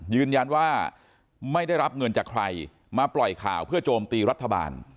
ยืนยันว่าไม่ได้รับเงินจากใครมาปล่อยข่าวเพื่อโจมตีรัฐบาล